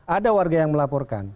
ada warga yang melaporkan